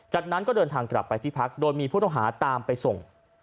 จากนั้นก็เดินทางกลับไปที่พักโดยมีผู้ต้องหาตามไปส่ง